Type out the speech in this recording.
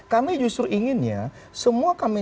kami justru inginnya semua kami